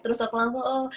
terus aku langsung